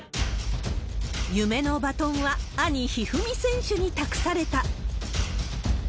夢のバトンは兄、一二三選手に託された。